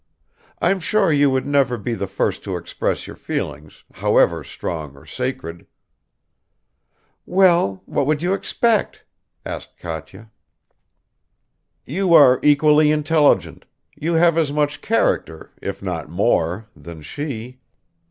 I'm sure you would never be the first to express your feelings, however strong or sacred ..." "Well, what would you expect?" asked Katya. "You are equally intelligent; you have as much character, if not more, than she